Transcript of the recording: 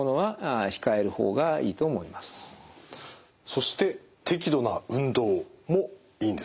そして適度な運動もいいんですね？